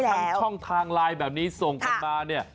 ช่องทางไลน์แบบนี้ส่งกันมาเนี่ย